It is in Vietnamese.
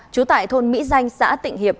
chú tại thôn mỹ danh xã tịnh hiệp